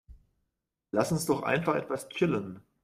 Lass uns doch einfach etwas chillen.